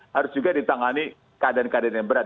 harus juga ditangani keadaan keadaan yang berat